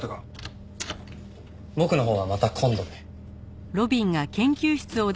僕のほうはまた今度で。